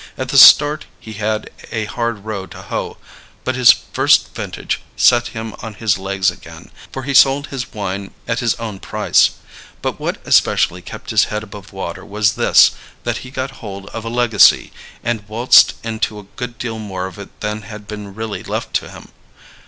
At the start he had a hard row to hoe, but his first vintage set him on his legs again, for he sold his wine at his own price. But what especially kept his head above water was this, that he got hold of a legacy, and waltzed into a good deal more of it than had been really left him.